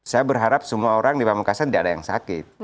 saya berharap semua orang di pamekasan tidak ada yang sakit